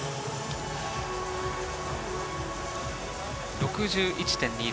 ６１．２０。